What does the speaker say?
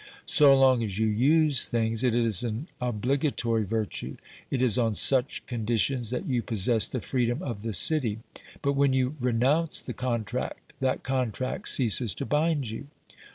So long as you use things, it is an obligatory virtue ; it is on such conditions that you possess the freedom of the city; but when you renounce the contract, that contract ceases to bind you.